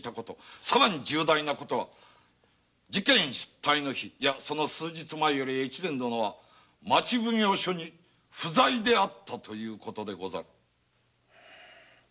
さらに重大な事は事件のあった日いやその数日前より大岡殿は町奉行所に不在であったという事でござる。